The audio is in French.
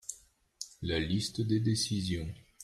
la liste des décisions.